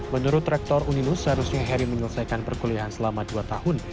menurut rektor uninus seharusnya heri menyelesaikan perkuliahan selama dua tahun